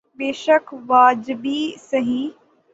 بیشک واجبی سہی۔